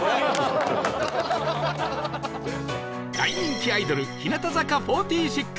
大人気アイドル日向坂４６